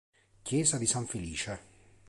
Chiesa di San Felice